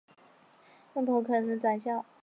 为牟羽可汗的宰相。